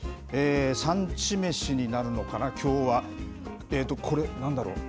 産地めしになるのかな、きょうは、これ、なんだろう。